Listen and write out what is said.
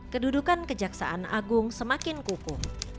kedudukan kejaksaan agung semakin kukuh